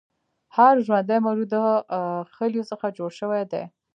هر ژوندی موجود د خلیو څخه جوړ شوی دی